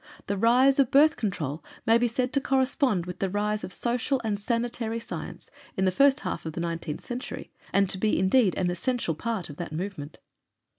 The rise of Birth Control may be said to correspond with the rise of social and sanitary science in the first half of the nineteenth century, and to be indeed an essential part of that movement.